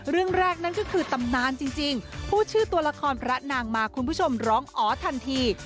เรื่องแรกนั่นก็คือตำนานจริงพูดชื่อตัวละครพระนางมาคุณผู้ชมร้องอ๋อทันที